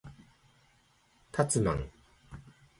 たつまん